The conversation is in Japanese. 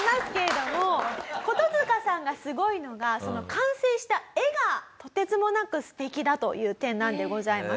コトヅカさんがすごいのが完成した絵がとてつもなく素敵だという点なんでございます。